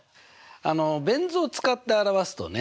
あのベン図を使って表すとね